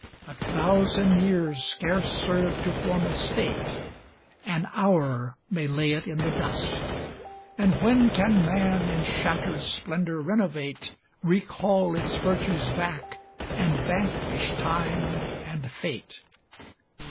A thousand years scarce serve to form a State; An hour may lay it in the dust: and when Can man its shattered splendor renovate, Recall its virtues back, and vanquish Time and Fate?